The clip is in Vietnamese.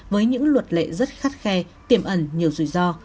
với những luật lệ rất khắt khe tiềm ẩn nhiều rủi ro